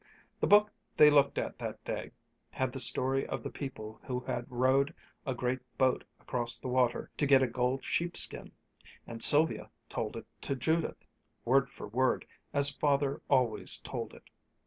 The book they looked at that day had the story of the people who had rowed a great boat across the water to get a gold sheepskin, and Sylvia told it to Judith, word for word, as Father always told it.